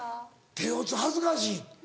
手を恥ずかしい。